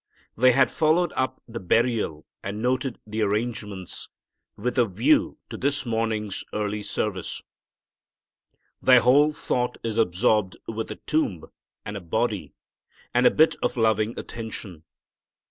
They had followed up the burial and noted the arrangements with a view to this morning's early service. Their whole thought is absorbed with a tomb and a body and a bit of loving attention.